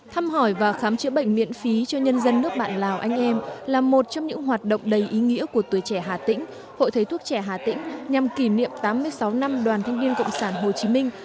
thăm hỏi và khám chữa bệnh miễn phí cho nhân dân nước bạn lào anh em là một trong những hoạt động đầy ý nghĩa của tuổi trẻ hà tĩnh hội thầy thuốc trẻ hà tĩnh nhằm kỷ niệm tám mươi sáu năm đoàn thanh niên cộng sản hồ chí minh